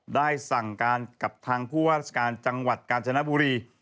ได้สั่งการกับทางผู้ว่าราชการจังหวัดกาญจนบุรี